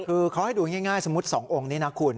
คือเขาให้ดูง่ายสมมุติ๒องค์นี้นะคุณ